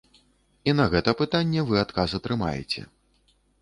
І на гэта пытанне вы адказ атрымаеце.